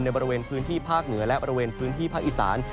ในบริเวณพื้นที่ภาคเหนือและภาคอีสาน